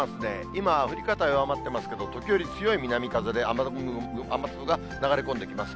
今、降り方が弱まってますけど、時折、強い南風で雨粒が流れ込んできます。